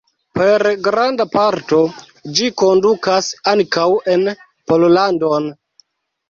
Per granda parto ĝi kondukas ankaŭ en Pollandon.